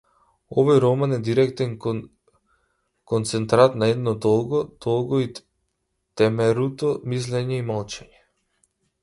Овој роман е директен концентрат на едно долго, долго и темеруто мислење и молчење.